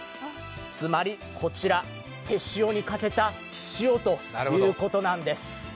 つまりこちら、手塩にかけた塩ということなんです。